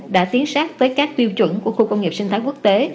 đã tiến sát với các tiêu chuẩn của khu công nghiệp sinh thái quốc tế